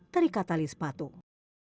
dari katalis patung